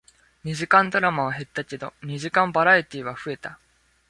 二時間ドラマは減ったけど、二時間バラエティーは増えた